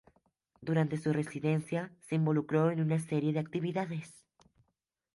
Durante su residencia, se involucró en una serie de actividades.